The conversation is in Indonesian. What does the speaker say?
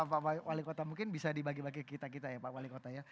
pak wali kota mungkin bisa dibagi bagi kita kita ya pak wali kota ya